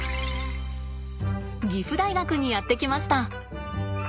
岐阜大学にやって来ました。